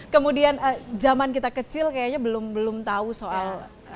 kemudian zaman kita kecil kayaknya belum tahu soal